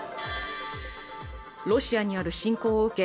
ロシアによる侵攻を受け